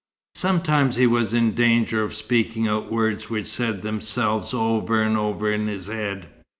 Sometimes he was in danger of speaking out words which said themselves over and over in his head.